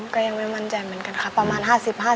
ก็ยังไม่มั่นใจเหมือนกันค่ะประมาณห้าสิบห้าสิบ